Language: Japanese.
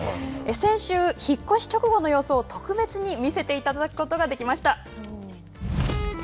先週、引っ越しの直後の様子を特別に見せてもらうことができました。